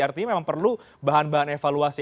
artinya memang perlu bahan bahan evaluasi